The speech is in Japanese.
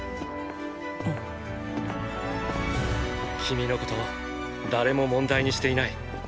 君のこと誰も問題にしていない。